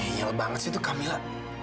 nyal banget sih itu kamila